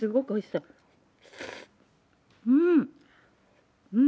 うん。